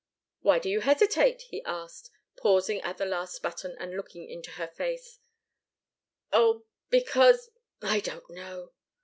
"Why do you hesitate?" he asked, pausing at the last button and looking into her face. "Oh because I don't know!"